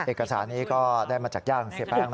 เอกสารนี้ก็ได้มาจากย่างเสียแป้งนะ